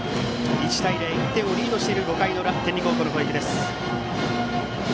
１対０、１点をリードしている５回の裏天理高校の攻撃です。